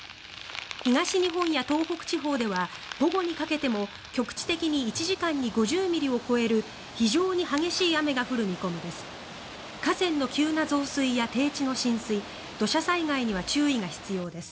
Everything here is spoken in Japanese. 東日本や東北地方では午後にかけても局地的に１時間に５０ミリを超える非常に激しい雨が降る見込みです。